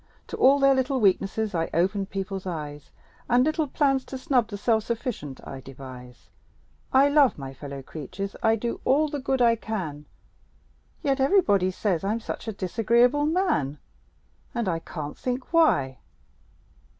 To all their little weaknesses I open people's eyes And little plans to snub the self sufficient I devise; I love my fellow creatures I do all the good I can Yet everybody say I'm such a disagreeable man! And I can't think why!